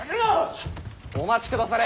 お待ちくだされ！